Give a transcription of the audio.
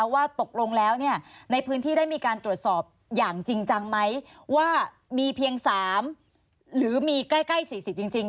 ว่ามีเพียง๓หรือมีใกล้๔๐จริง